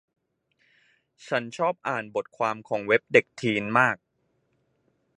ฉันชอบอ่านบทความของเว็บเด็กทีนมาก